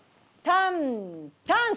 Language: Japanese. タンタン。